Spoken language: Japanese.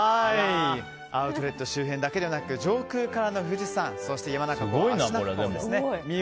アウトレット周辺だけではなく上空からの富士山そして山中湖まで。